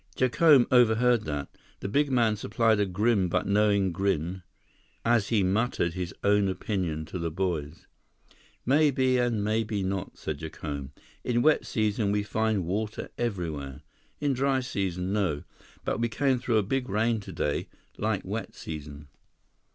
Jacome overheard that. The big man supplied a grim but knowing grin as he muttered his own opinion to the boys. "Maybe and maybe not," said Jacome. "In wet season, we find water everywhere; in dry season, no. But we came through big rain today, like wet season."